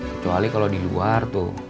kecuali kalau di luar tuh